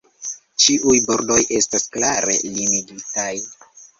Ĉiuj bordoj estas klare limigitaj.